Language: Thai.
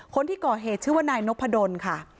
คนที่ก่อเหตุชื่อว่านายนพดลค่ะ